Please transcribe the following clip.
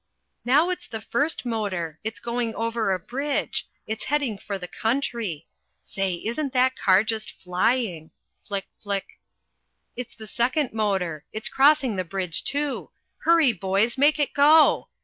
Now it's the first motor it's going over a bridge it's heading for the country say, isn't that car just flying Flick, flick! It's the second motor it's crossing the bridge too hurry, boys, make it go!